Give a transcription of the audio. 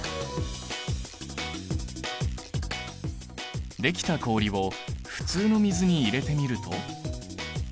できた氷を普通の水に入れてみると。